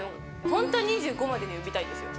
本当は２５までに産みたいんですよ。